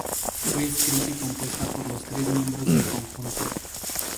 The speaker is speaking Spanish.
Fue escrita y compuesta por los tres miembros del conjunto.